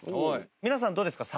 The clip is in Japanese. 皆さんどうですか？